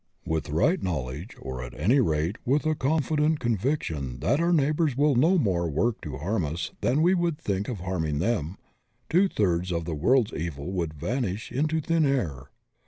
With right knowledge, or at any rate with a confident conviction that our neighbors will no more work harm to us than we would think of harming them, two thirds of the world*s evil would vanish into thin air.